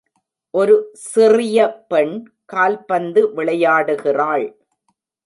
ஒரு சிறிய பெண் கால்பந்து விளையாடுகிறாள்.